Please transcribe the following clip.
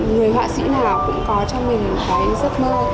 người họa sĩ nào cũng có cho mình cái giấc mơ